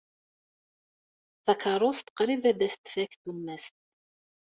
Takeṛṛust qrib ad as-tfak tumast.